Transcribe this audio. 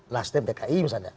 nasdem dki misalnya